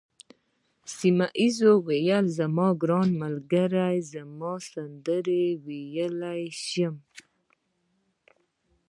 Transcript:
سیمونز وویل: زما ګرانه ملګرې، زه سندرې ویلای شم.